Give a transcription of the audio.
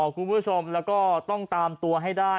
คุณผู้ชมแล้วก็ต้องตามตัวให้ได้